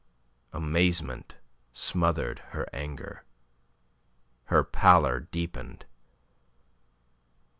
Amazement smothered her anger. Her pallor deepened.